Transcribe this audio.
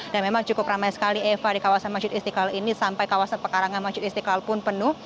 dan memang cukup ramai sekali eva di kawasan masjid istiqlal ini sampai kawasan pekarangan masjid istiqlal pun penuh